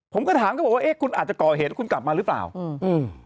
ผมก็ถามก็บอกว่าเอ๊ะคุณอาจจะก่อเหตุแล้วคุณกลับมาหรือเปล่าอืมอืม